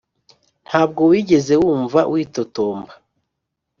ntabwo wigeze wumva witotomba.